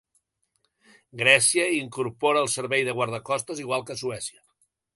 Grècia hi incorpora el servei de guardacostes, igual que Suècia.